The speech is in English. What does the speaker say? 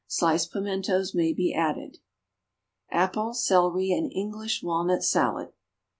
Sliced pimentos may be added. =Apple, Celery and English Walnut Salad.